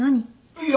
いや。